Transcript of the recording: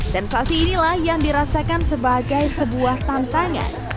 sensasi inilah yang dirasakan sebagai sebuah tantangan